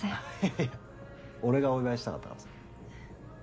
いや俺がお祝いしたかったからさ。